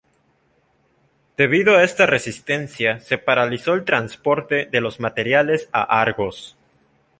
Debido a esta resistencia se paralizó el transporte de los materiales a "Argos".